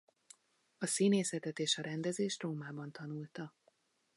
A színészetet és a rendezést Rómában tanulta.